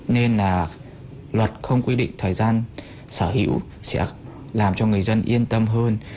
nên là luật không quy định thời gian sở hữu sẽ làm cho người dân yên tâm hơn